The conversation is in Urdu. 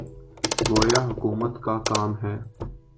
گویا حکومت کا کام ہے۔